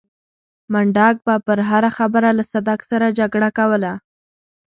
منډک به پر هره خبره له صدک سره جګړه کوله.